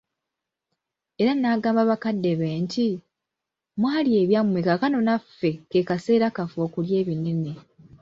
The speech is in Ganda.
Era n'agamba bakadde be nti, mwalya ebyammwe kaakano naffe kano ke kaseera kaffe okulya ebinene .